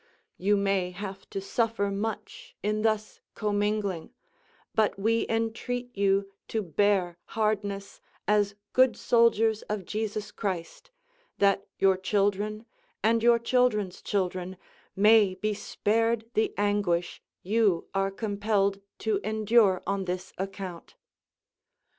You may have to suffer much in thus commingling, but we entreat you to bear hardness as good soldiers of Jesus Christ, that your children, and your children's children, may be spared the anguish you are compelled to endure on this account.